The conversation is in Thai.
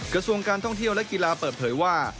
กระทรวงการท่องเที่ยวและกีฬาเปิดเผยว่า